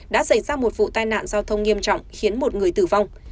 đã xảy ra một vụ tai nạn giao thông nghiêm trọng khiến một người tử vong